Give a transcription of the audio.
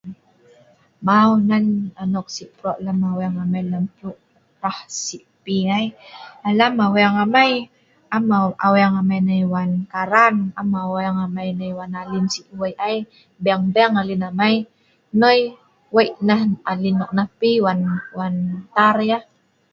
mau nan anok sik pro' lem aweng amei lem plu' lak sik pi ai alam aweng amei am aweng amei nei wan karan am aweng amei nei wan alin sik weik ai beng beng alin amei noi weik nah alin nok nah pi wan wan tar yeh